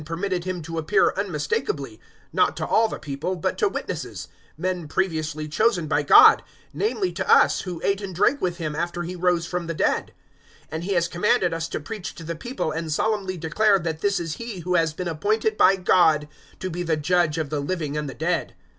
010:040 That same Jesus God raised to life on the third day, and permitted Him to appear unmistakably, 010:041 not to all the people, but to witnesses men previously chosen by God namely, to us, who ate and drank with Him after He rose from the dead. 010:042 And He has commanded us to preach to the people and solemnly declare that this is He who has been appointed by God to be the Judge of the living and the dead.